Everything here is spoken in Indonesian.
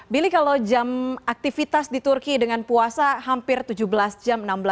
billy kalau jam aktivitas di turki dengan puasa hampir tujuh belas jam enam belas